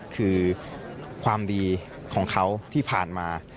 คือความดีของเขาที่ผ่านมา